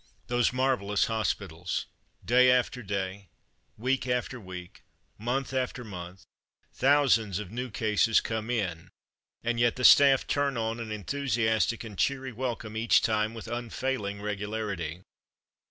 Those marvellous hospitals ! Day after day, week after week, month after month, thousands of new cases come in and yet the staff turn on an enthusiastic and cheery welcome each time with unfailing regularity.